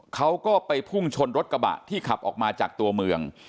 เขาก็ไปพุ่งชนรถกระบะที่ขับออกมาจากตัวเมือง